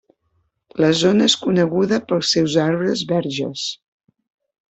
La zona és coneguda pels seus arbres verges.